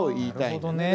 なるほどね。